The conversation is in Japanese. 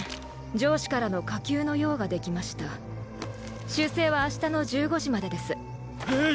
上司からの火急の用ができました修正は明日の１５時までですえっ！？